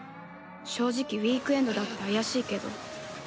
正直ウィークエンドだって怪しいけど